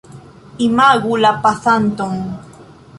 Imagu la pasanton.